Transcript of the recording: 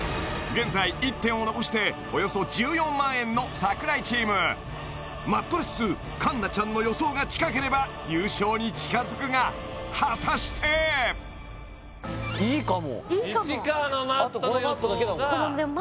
現在１点を残しておよそ１４万円の櫻井チームマットレス通環奈ちゃんの予想が近ければ優勝に近づくが果たしていいかも西川のマットの予想が１８万